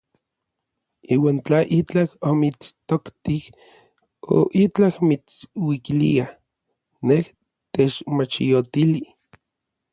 Iuan tla itlaj omitstoktij o itlaj mitsuikilia, nej techmachiotili.